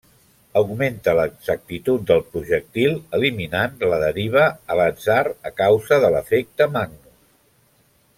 Augmenta l'exactitud del projectil eliminant la deriva a l'atzar a causa de l'efecte Magnus.